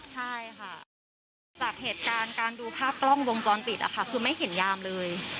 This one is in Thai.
ใช่ค่ะจากเหตุการณ์การดูภาพกล้องวงจรปิดคือไม่เห็นยามเลย